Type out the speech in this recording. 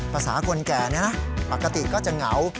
ภาษาคนแก่นี้นะปกติก็จะเหงา